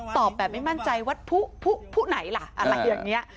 ตอบแบบไม่มั่นใจว่าผู้ไหนล่ะอะไรอย่างนี้